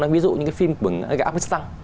ví dụ như cái phim của afghanistan